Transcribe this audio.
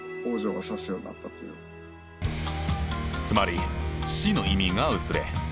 つまり「死」の意味が薄れ